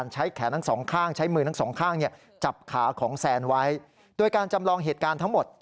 จับขาของแซนไว้โดยการจำลองเหตุการณ์ทั้งหมด